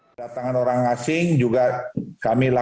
kedatangan orang asing juga kami lakukan